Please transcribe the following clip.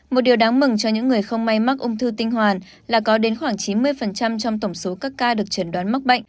một điều đáng mừng cho những người không may mắc ung thư tinh hoàn là có đến khoảng chín mươi trong tổng số các ca được chẩn đoán mắc bệnh